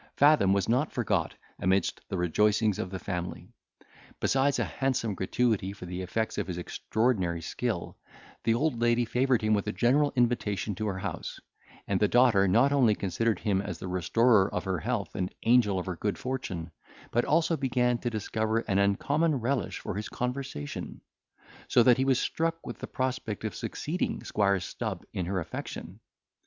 Fathom was not forgot amidst the rejoicings of the family. Besides an handsome gratuity for the effects of his extraordinary skill, the old lady favoured him with a general invitation to her house, and the daughter not only considered him as the restorer of her health, and angel of her good fortune, but also began to discover an uncommon relish for his conversation; so that he was struck with the prospect of succeeding Squire Stub in her affection.